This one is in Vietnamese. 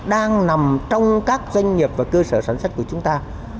đang nằm trong các doanh nghiệp và cơ sở sản xuất của chúng ta